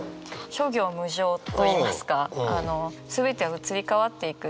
諸行無常といいますか全ては移り変わっていく。